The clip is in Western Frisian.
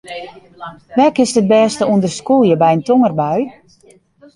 Wêr kinst it bêste ûnder skûlje by in tongerbui?